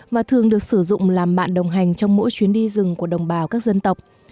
và thường được sử dụng làm bạn đồng hành trong mỗi trường hợp